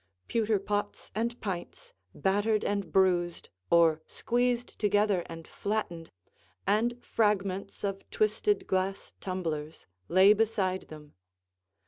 Pewter pots and pints, battered and bruised, or squeezed together and flattened, and fragments of twisted glass tumblers, lay beside them.